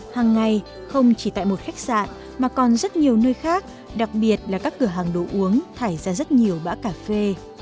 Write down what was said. hàng ngày không chỉ tại một khách sạn mà còn rất nhiều nơi khác đặc biệt là các cửa hàng đồ uống thải ra rất nhiều bã cà phê